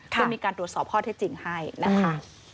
เพื่อมีการตรวจสอบข้อเท็จจริงให้นะคะ